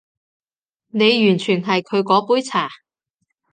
你完全係佢嗰杯茶